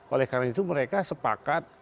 oleh karena itu mereka sepakat